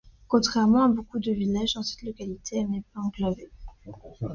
Contrairement à beaucoup de Villages dans cette localité elle n'est pas enclavée.